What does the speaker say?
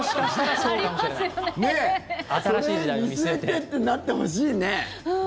それ、見据えてってなってほしいね。